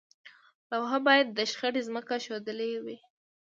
لوحه باید د شخړې ځمکه ښودلې وي.